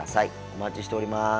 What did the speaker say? お待ちしております。